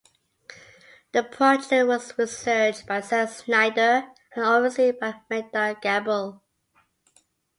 The project was researched by Seth Snyder and overseen by Medard Gabel.